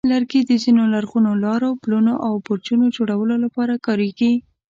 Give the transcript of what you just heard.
لرګي د ځینو لرغونو لارو، پلونو، او برجونو جوړولو لپاره کارېږي.